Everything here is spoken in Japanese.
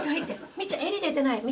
みっちゃん襟出てない。